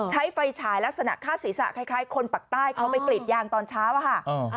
ใช้ไฟฉายลักษณะฆ่าศีรษะคล้ายคนปากใต้เขาไปกรีดยางตอนเช้าอะค่ะ